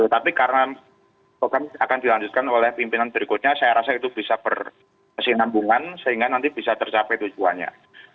tapi karena program akan dilanjutkan oleh pimpinan berikutnya saya rasa itu bisa berkesinambungan sehingga nanti bisa tercapai tujuannya